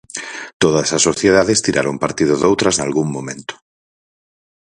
Todas as sociedades tiraron partido doutras nalgún momento.